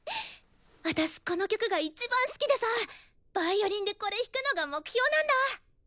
私この曲がいちばん好きでさヴァイオリンでこれ弾くのが目標なんだ！